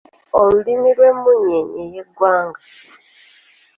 Olulimi y'emmunyeenye y'eggwanga.